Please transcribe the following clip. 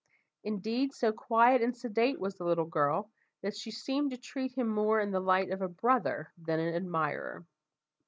Indeed, so quiet and sedate was the little girl, that she seemed to treat him more in the light of a brother than an admirer.